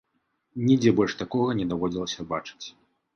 Нідзе больш такога не даводзілася бачыць.